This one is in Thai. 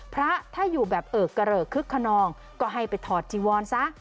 พระถ้าอยู่แบบเอิกกระเหลอคึกขนองก็ให้ไปถอดจีวรซะ